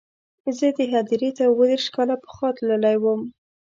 زه دې هدیرې ته اووه دېرش کاله پخوا تللی وم.